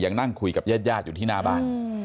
นั่งคุยกับญาติอยู่ที่หน้าบ้าน